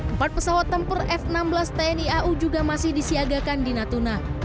empat pesawat tempur f enam belas tni au juga masih disiagakan di natuna